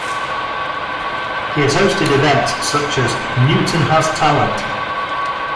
He has hosted events such as Newton Has Talent.